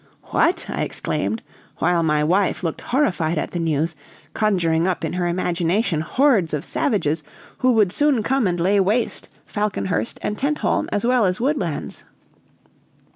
"What!" I exclaimed, while my wife looked horrified at the news, conjuring up in her imagination hordes of savages who would soon come and lay waste Falconhurst and Tentholm as well as Woodlands.